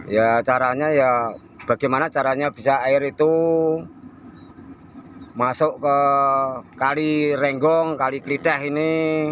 ya caranya ya bagaimana caranya bisa air itu masuk ke kali renggong kali kelidah ini